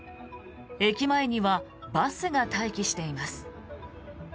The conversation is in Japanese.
駅前にはバスが待機しています。